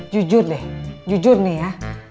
jujur deh jujur nih ya